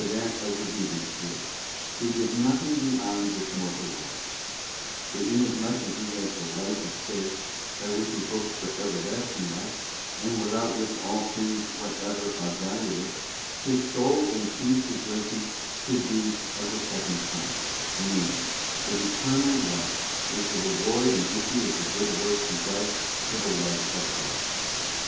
275 that of the heathens did, who saw nothing beyond this mortal life; but inasmuch as he has the light of Faith, by which he hopes for everlasting life, and without which all things whatever are valueless, his sole and chief rejoicing should be of the second kind, namely, that eternal life is the reward and issue of the good works he does for the love of God.